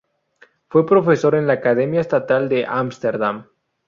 Fue profesor en la Academia Estatal de Ámsterdam.